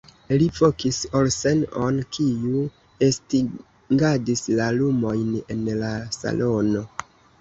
Li vokis Olsen'on, kiu estingadis la lumojn en la salono.